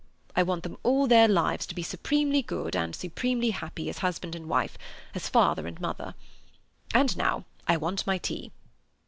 I want them all their lives to be supremely good and supremely happy as husband and wife, as father and mother. And now I want my tea."